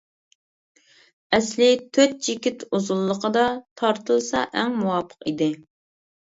ئەسلى تۆت چېكىت ئۇزۇنلۇقىدا تارتىلسا ئەڭ مۇۋاپىق ئىدى.